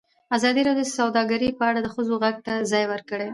ازادي راډیو د سوداګري په اړه د ښځو غږ ته ځای ورکړی.